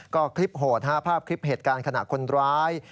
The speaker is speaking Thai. ก็คลิปโหดภาพคลิปเหตุการณ์ขณะคนร้าย